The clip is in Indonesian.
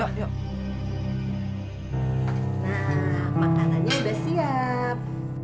nah makanannya sudah siap